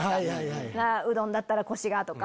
うどんだったらコシが！とか。